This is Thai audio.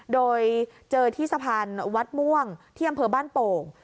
โดยเจอที่สะพานวัดม่วงที่อำเภอบ้านโป่ง